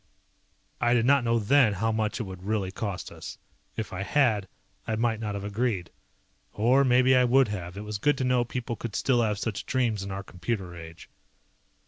I did not know then how much it would really cost us. If I had I might not have agreed. Or maybe I would have, it was good to know people could still have such dreams in our computer age.